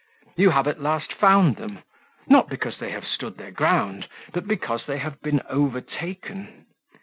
You have at last found them, not because they have stood their ground, but because they have been overtaken.